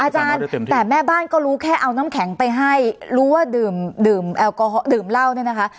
อาจารย์แต่แม่บ้านก็รู้แค่เอาน้ำแข็งไปให้รู้ว่าดื่มแอลกอฮอลดื่มเหล้าเนี่ยนะคะ